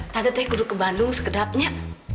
tante teh gue duduk ke bandung segedapnya